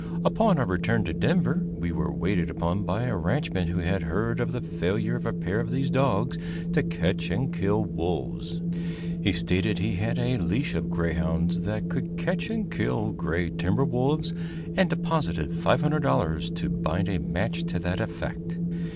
Upon our return to Denver we were waited upon by a ranchman who had heard of the failure of a pair of these dogs to catch and kill wolves. He stated that he had a leash of greyhounds that could catch and kill gray timber wolves, and deposited $500 to bind a match to that effect.